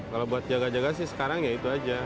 kalau buat jaga jaga sih sekarang ya itu aja